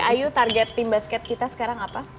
ayu target tim basket kita sekarang apa